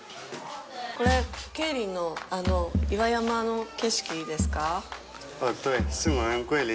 これ、桂林の岩山の景色ですか。